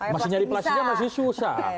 masih nyari plastiknya masih susah